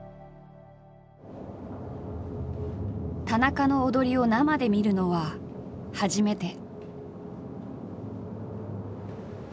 田中の踊りを生で見るのは初めて。